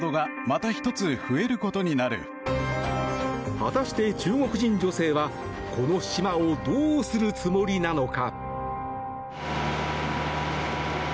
果たして、中国人女性はこの島をどうするつもりなのか。